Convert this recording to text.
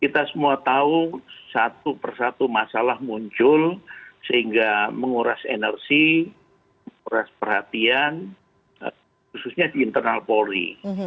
kita semua tahu satu persatu masalah muncul sehingga menguras energi menguras perhatian khususnya di internal polri